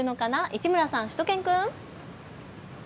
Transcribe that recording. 市村さん、しゅと犬くん。